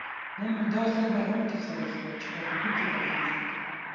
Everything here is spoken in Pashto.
نن مې دا سوبه هم ترسره شوه، چې پوهنتون کې داخل شوم